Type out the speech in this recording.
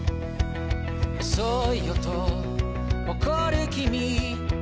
「遅いよ」と怒る君